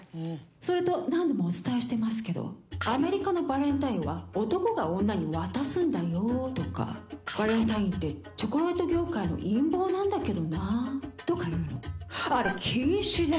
それと何度もお伝えしてますけど「アメリカのバレンタインは男が女に渡すんだよ」とか「バレンタインってチョコレート業界の陰謀なんだけどな」とか言うのあれ禁止です。